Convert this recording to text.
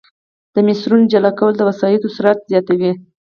د مسیرونو جلا کول د وسایطو سرعت زیاتوي